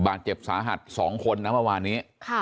บาดเจ็บสาหัส๒คนนะเมื่อวานนี้